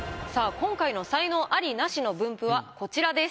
今回の才能アリ・ナシの分布はこちらです。